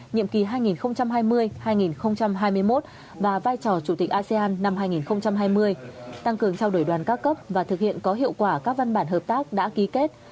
nhiệm kỳ hai nghìn hai mươi hai nghìn hai mươi một và vai trò chủ tịch asean năm hai nghìn hai mươi tăng cường trao đổi đoàn các cấp và thực hiện có hiệu quả các văn bản hợp tác đã ký kết